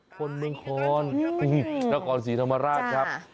คนเมืองคอนนครศรีธรรมราชครับ